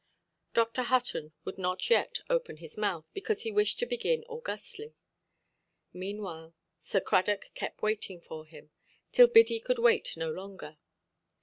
Dr. Hutton would not yet open his mouth, because he wished to begin augustly. Meanwhile, Sir Cradock kept waiting for him, till Biddy could wait no longer.